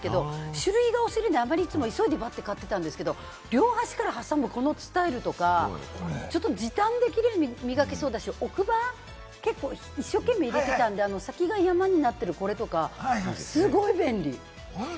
種類が多すぎるので、急いでいつも買ってたんですけれども、両端から挟むこのスタイルとか、ちょっと時短でキレイに磨けそうだし、奥歯、結構、一生懸命、磨いてたので先が山になってるこれとか、すごい便利。